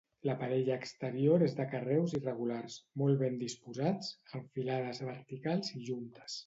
L'aparell exterior és de carreus irregulars, molt ben disposats, amb filades verticals i juntes.